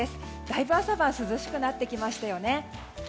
だいぶ朝晩涼しくなってきましたよね。